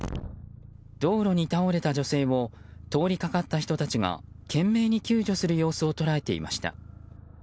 道路に倒れた女性を通りかかった人たちが懸命に救助する様子を捉えていました。